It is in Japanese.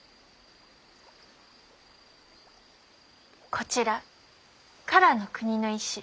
こちら唐の国の医師